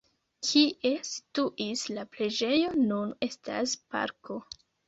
Kie situis la preĝejo nun estas parko.